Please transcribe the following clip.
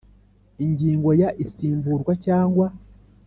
Ingingo ya isimburwa cyangwa